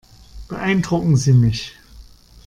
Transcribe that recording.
Beeindrucken Sie mich.